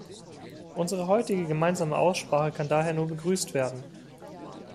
Unsere heutige gemeinsame Aussprache kann daher nur begrüßt werden.